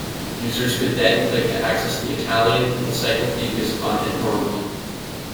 Users could then click to access the Italian encyclopedia's content normally.